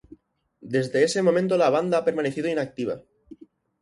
Desde ese momento la banda ha permanecido inactiva.